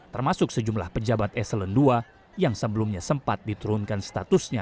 termasuk sejumlah pejabat eselon ii yang sebelumnya sempat diturunkan statusnya